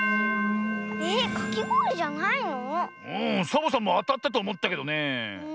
サボさんもあたったとおもったけどねえ。